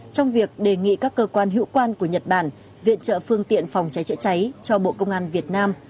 trong việc đề nghị các cơ quan hữu quan của nhật bản viện trợ phương tiện phòng cháy chữa cháy cho bộ công an việt nam